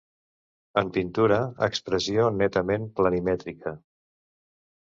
En pintura, expressió netament planimètrica.